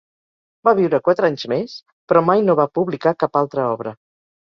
Va viure quatre anys més, però mai no va publicar cap altra obra.